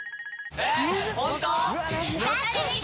本当？